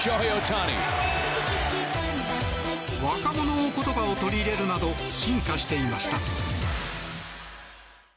若者の言葉を取り入れるなど進化していました。